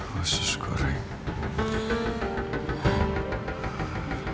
masuk ke dalam